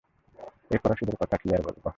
এই ফরাসিদের কথা কী আর বলব!